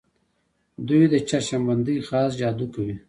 دوی د چشم بندۍ خاص جادو کوي.